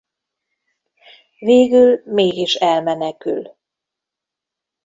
Végül mégis elmenekül.